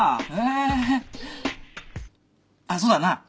あっそうだなあ